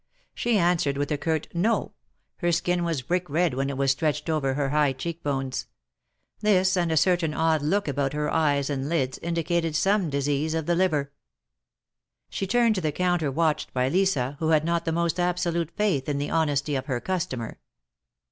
She answered with a curt " No." Her skin was brick red where it was stretched over her high cheek bones. This, and a certain odd look about her eyes and lids, indicated some disease of the liver. She turned to the counter watched by Lisa, who had not the most absolute faith in the honesty of her customer.